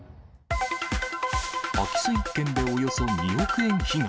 空き巣１件でおよそ２億円被害。